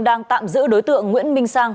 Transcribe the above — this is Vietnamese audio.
đang tạm giữ đối tượng nguyễn minh sang